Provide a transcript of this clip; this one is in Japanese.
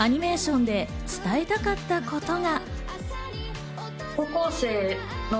アニメーションで伝えたかったことは。